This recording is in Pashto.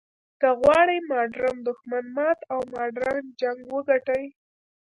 که غواړې ماډرن دښمن مات او ماډرن جنګ وګټې.